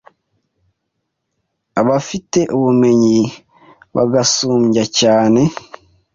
abafite ubumenyi bagusumbya cyane